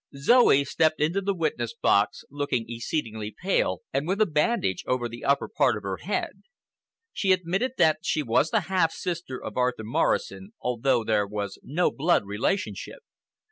Zoe stepped into the witness box, looking exceedingly pale, and with a bandage over the upper part of her head. She admitted that she was the half sister of Arthur Morrison, although there was no blood relationship.